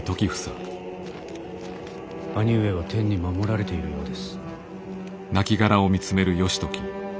兄上は天に守られているようです。